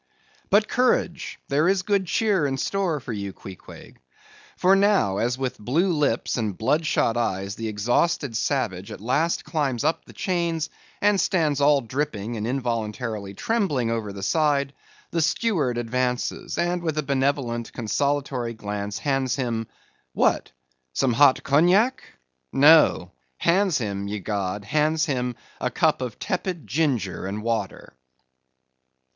But courage! there is good cheer in store for you, Queequeg. For now, as with blue lips and blood shot eyes the exhausted savage at last climbs up the chains and stands all dripping and involuntarily trembling over the side; the steward advances, and with a benevolent, consolatory glance hands him—what? Some hot Cognac? No! hands him, ye gods! hands him a cup of tepid ginger and water!